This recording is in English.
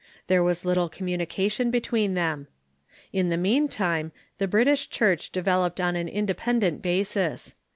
There was little communication between them. In the meantime, the British Church devel oped on an independent basis.